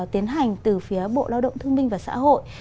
tiến hành từ phía bộ lao động thương minh và xã hội